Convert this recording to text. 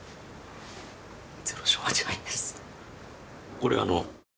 これあの。